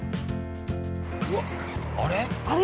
◆うわっ、あれ？